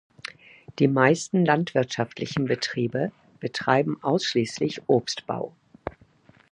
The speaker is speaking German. Die meisten landwirtschaftlichen Betriebe betreiben ausschließlich Obstbau.